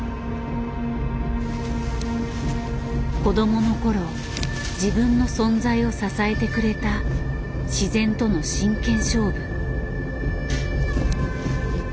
子供の頃自分の存在を支えてくれた自然との真剣勝負。